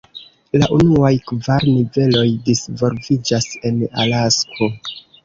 La unuaj kvar niveloj disvolviĝas en Alasko.